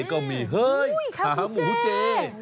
ขาหมูเจ